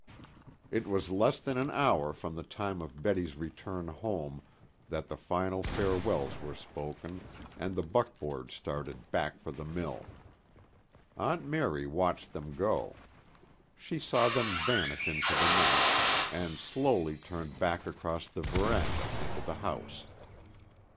It was less than an hour from the time of Betty's return home that the final farewells were spoken and the buckboard started back for the mill. Aunt Mary watched them go. She saw them vanish into the night, and slowly turned back across the veranda into the house.